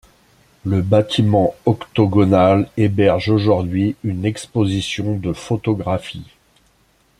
Le bâtiment octogonal héberge aujourd'hui une exposition de photographies.